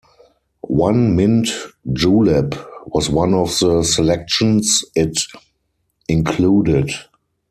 "One Mint Julep" was one of the selections it included.